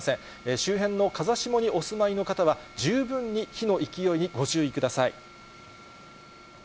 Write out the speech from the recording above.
周辺の風下にお住まいの方は、十分に火の勢いにご注意ください。